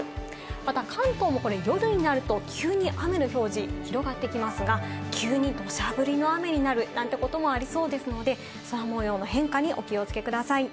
また関東もこれ夜になると急に雨の表示が広がってきますが、急に土砂降りの雨になるなんてこともありそうですので、空模様の変化にお気をつけください。